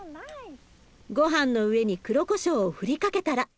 ごはんの上に黒こしょうを振りかけたら。